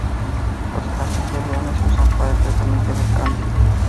Los haces de iones se usan en el tratamiento del cáncer.